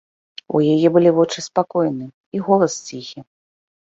У яе былі вочы спакойныя і голас ціхі.